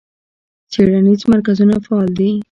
څیړنیز مرکزونه فعال دي.